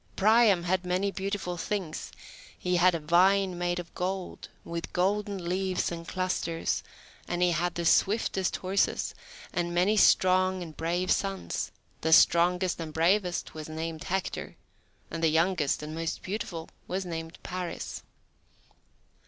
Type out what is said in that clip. Priam had many beautiful things; he had a vine made of gold, with golden leaves and clusters, and he had the swiftest horses, and many strong and brave sons; the strongest and bravest was named Hector, and the youngest and most beautiful was named Paris.